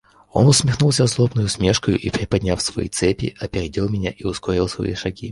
Он усмехнулся злобной усмешкою и, приподняв свои цепи, опередил меня и ускорил свои шаги.